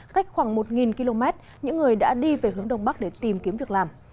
cách khoảng một km những người đã đi về hướng đông bắc để tìm kiếm việc làm